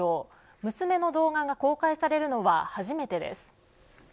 娘の動画が公開されるのは初めてです。